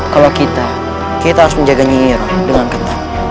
kalau kita kita harus menjaganya yira dengan kata